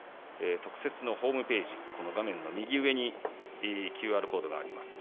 特設のホームページ画面の右上にＱＲコードがあります。